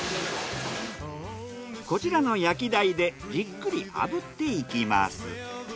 こちらの焼き台でじっくり炙っていきます。